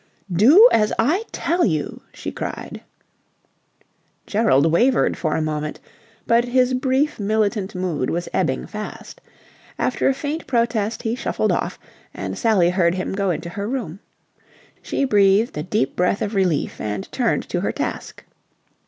"Do as I tell you," she cried. Gerald wavered for a moment, but his brief militant mood was ebbing fast. After a faint protest he shuffled off, and Sally heard him go into her room. She breathed a deep breath of relief and turned to her task.